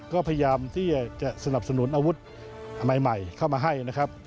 ก็พยายามที่จะสนับสนุนอาวุธใหม่เข้ามาให้นะครับ